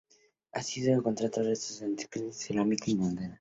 Allí han sido encontrados restos de antiguos cimientos, cerámicas y monedas.